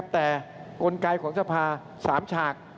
แต่กลไกของสภา๓ฉาก